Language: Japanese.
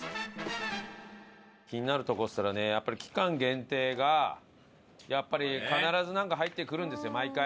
気になるとこっつったらね期間限定がやっぱり必ずなんか入ってくるんですよ毎回。